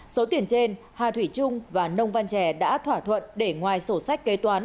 số tiền trên hà thủy trung và nông văn trẻ đã thỏa thuận để ngoài sổ sách kế toán